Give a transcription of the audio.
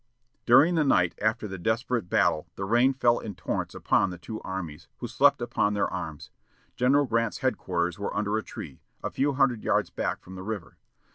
During the night after the desperate battle the rain fell in torrents upon the two armies, who slept upon their arms. General Grant's headquarters were under a tree, a few hundred yards back from the river.